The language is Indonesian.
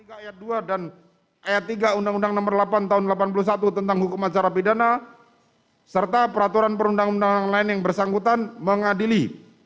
ayat dua dan ayat tiga undang undang nomor delapan tahun seribu sembilan ratus delapan puluh satu tentang hukum acara pidana serta peraturan perundang undangan lain yang bersangkutan mengadili